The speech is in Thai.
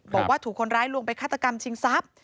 บอกว่าถูกคนร้ายลวงไปฆาตกรรมชิงทรัพย์